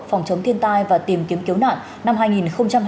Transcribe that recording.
phòng chống thiên tai và tìm kiếm cứu nạn năm hai nghìn hai mươi